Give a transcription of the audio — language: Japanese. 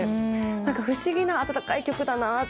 不思議な温かい曲だなって